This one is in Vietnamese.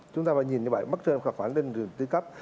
chúng ta phải nhìn như vậy mất thanh khoản trên thị trường thứ cấp